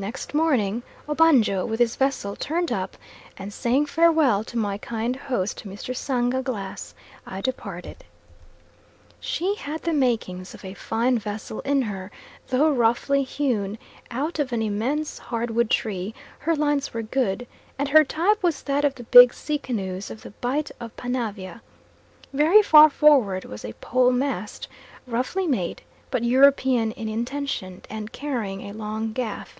Next morning Obanjo with his vessel turned up, and saying farewell to my kind host, Mr. Sanga Glass, I departed. She had the makings of a fine vessel in her; though roughly hewn out of an immense hard wood tree: her lines were good, and her type was that of the big sea canoes of the Bight of Panavia. Very far forward was a pole mast, roughly made, but European in intention, and carrying a long gaff.